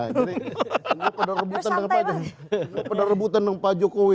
ini pada rebutan dengan pak jokowi